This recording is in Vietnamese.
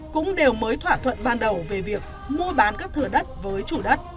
cũng đều mới thỏa thuận ban đầu về việc mua bán các thửa đất với chủ đất